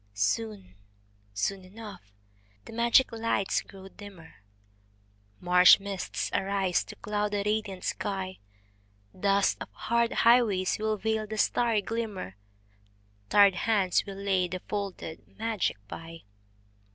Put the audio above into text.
Soon, soon enough the magic lights grow dimmer, Marsh mists arise to cloud the radiant sky, Dust of hard highways will veil the starry glimmer, Tired hands will lay the folded magic by.